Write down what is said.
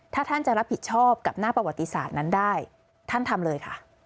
ถ้าท่านจะรับผิดชอบกับหน้าประวัติศาสตร์นั้นได้ท่านทำเลยค่ะ